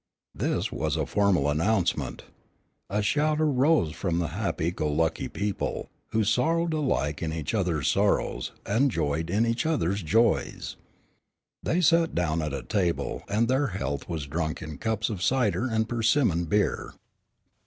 This was a formal announcement. A shout arose from the happy go lucky people, who sorrowed alike in each other's sorrows, and joyed in each other's joys. They sat down at a table, and their health was drunk in cups of cider and persimmon beer.